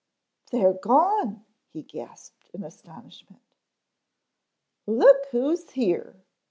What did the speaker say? "They are gone," he gasped in astonishment. "Look who's here!"